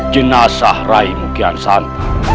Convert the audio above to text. jenasah raimu kian santa